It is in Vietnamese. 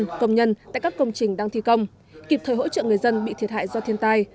các công nhân tại các công trình đang thi công kịp thời hỗ trợ người dân bị thiệt hại do thiên tai